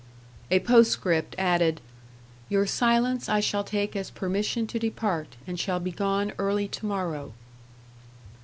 A postscript added: "Your silence I shall take as permission to depart; and shall be gone early to morrow."